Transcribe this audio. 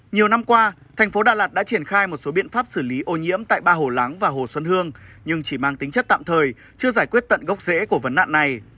nhiều năm qua thành phố đà lạt đã triển khai một số biện pháp xử lý ô nhiễm tại ba hồ lắng và hồ xuân hương nhưng chỉ mang tính chất tạm thời chưa giải quyết tận gốc rễ của vấn nạn này